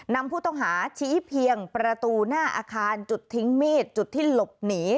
นำผู้ต้องหาชี้เพียงประตูหน้าอาคารจุดทิ้งมีดจุดที่หลบหนี